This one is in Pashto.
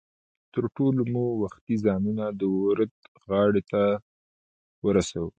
تر ټولو مو وختي ځانونه د ورد غاړې ته ورسو.